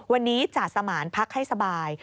วันนี้จ่าสมานพักให้สบาย